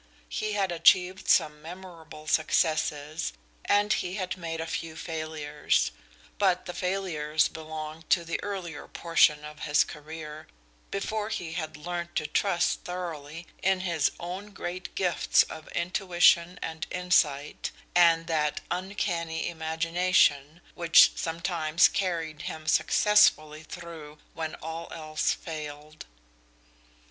He had achieved some memorable successes and he had made a few failures, but the failures belonged to the earlier portion of his career, before he had learnt to trust thoroughly in his own great gifts of intuition and insight, and that uncanny imagination which sometimes carried him successfully through when all else failed.